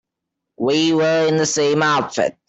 We were in the same outfit.